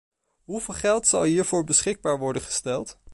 Hoeveel geld zal hiervoor beschikbaar worden gesteld?